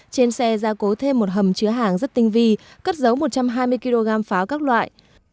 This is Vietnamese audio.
trên xe ra cố thêm một hầm chứa hàng rất tinh vi cất giấu một trăm hai mươi kg pháo các loại